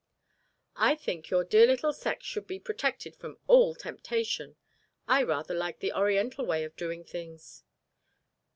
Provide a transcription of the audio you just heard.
"I think your dear little sex should be protected from all temptation. I rather like the Oriental way of doing things."